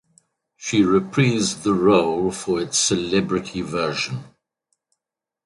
She reprised the role for its celebrity version.